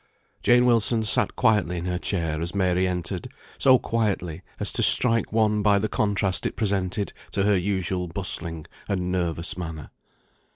Jane Wilson sat quietly in her chair as Mary entered; so quietly, as to strike one by the contrast it presented to her usual bustling and nervous manner.